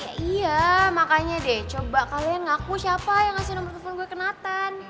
ya iya makanya deh coba kalian ngaku siapa yang ngasih nomer telepon gue ke nathan